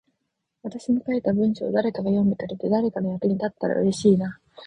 私の書いた文章を誰かが読んでくれて、誰かの役に立ったら嬉しいな。